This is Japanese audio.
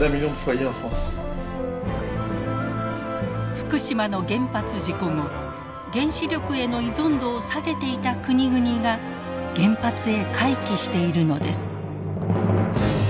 福島の原発事故後原子力への依存度を下げていた国々が原発へ回帰しているのです。